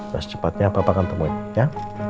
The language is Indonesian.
terus cepatnya papa akan temuin ya